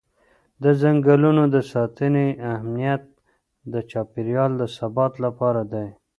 د ځنګلونو د ساتنې اهمیت د چاپېر یال د ثبات لپاره دی.